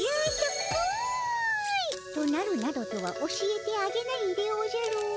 となるなどとは教えてあげないでおじゃる。